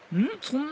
ん？